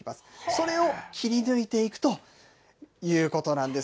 それを切り抜いていくということなんです。